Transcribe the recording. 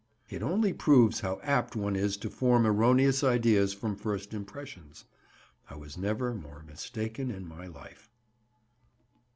It only proves how apt one is to form erroneous ideas from first impressions. I was never more mistaken in my life.